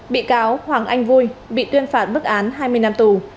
bị cáo hoàng anh vui bị tuyên phạt bức án hai mươi năm tù